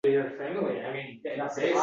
Bola nega shirinliklarni xush ko`radi